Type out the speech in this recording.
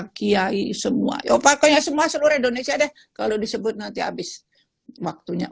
kiai semua ya pokoknya semua seluruh indonesia deh kalau disebut nanti habis waktunya